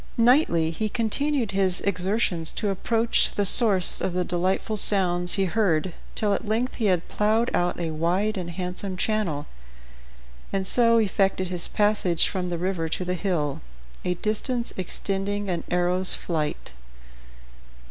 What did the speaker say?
Nightly he continued his exertions to approach the source of the delightful sounds he heard, till at length he had plowed out a wide and handsome channel, and so effected his passage from the river to the hill, a distance extending an arrow's flight.